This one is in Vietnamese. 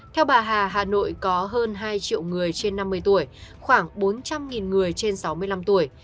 theo bà hà hà nội có hơn hai triệu người trên năm mươi tuổi khoảng bốn trăm linh người trên sáu mươi năm tuổi